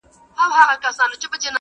تر سلو شاباسو يوه ايکي ښه ده.